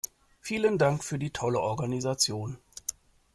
Vielen Dank für die tolle Organisation.